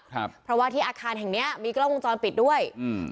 ครับเพราะว่าที่อาคารแห่งเนี้ยมีกล้องวงจรปิดด้วยอืม